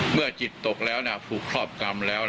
เมื่อจิตตกแล้วผูกครอบกรรมแล้ว